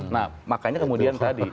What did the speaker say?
nah makanya kemudian tadi